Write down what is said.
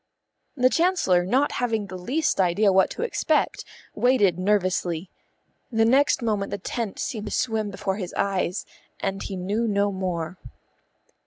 The Chancellor, not having the least idea what to expect, waited nervously. The next moment the tent seemed to swim before his eyes, and he knew no more.